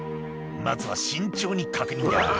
「まずは慎重に確認だ」